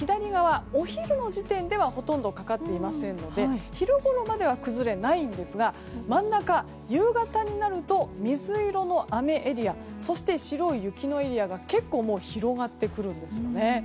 お昼の時点ではほとんどかかっていませんので昼ごろまでは崩れはないんですが夕方になると水色の雨エリアそして、白い雪のエリアが結構広がってくるんです。